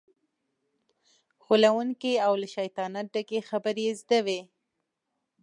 غولونکې او له شیطانت ډکې خبرې یې زده وي.